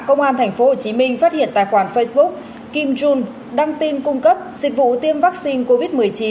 công an tp hcm phát hiện tài khoản facebook kim jong đăng tin cung cấp dịch vụ tiêm vaccine covid một mươi chín